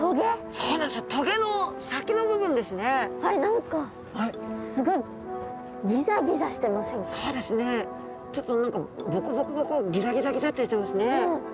そうですねちょっとボコボコボコギザギザギザってしてますね。